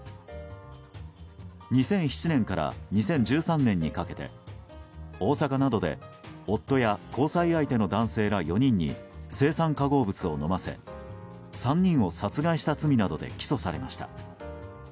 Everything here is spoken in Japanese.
２００７年から２０１３年にかけて大阪などで夫や交際相手の男性ら４人に青酸化合物を飲ませ３人を殺害した罪などで起訴されました。